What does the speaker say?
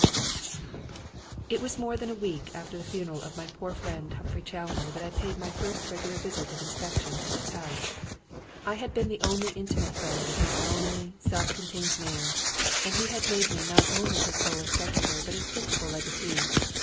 II "NUMBER ONE" It was more than a week after the funeral of my poor friend Humphrey Challoner that I paid my first regular visit of inspection to his house. I had been the only intimate friend of this lonely, self contained man and he had made me not only his sole executor but his principal legatee.